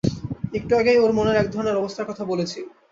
একটু আগেই ওর মনের একধরনের অবস্থার কথা বলেছি।